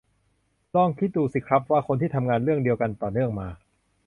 ลองคิดดูสิครับว่า คนที่ทำงานเรื่องเดียวกันต่อเนื่องมา